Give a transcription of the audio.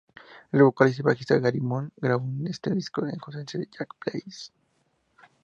El vocalista y bajista Gary Moon grabó este disco en ausencia de Jack Blades.